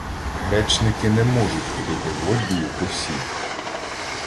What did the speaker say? — Гречники не можуть ходити в Ольбію по сіль.